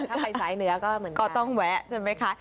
ถ้าไปสายเหนือก็เหมือนกันก็ต้องแวะใช่ไหมคะ